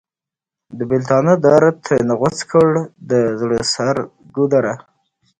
د بیلتانه درد ترېنه غوڅ کړ د زړه سر ګودره!